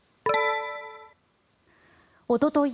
おととい